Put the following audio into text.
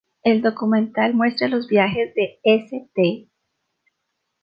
El documental muestra los viajes de St.